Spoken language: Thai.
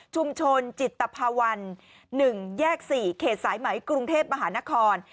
ชุมชนจิตภาวรรณ์๑แยก๔เขตสายไหมกรุงเทพมหานคร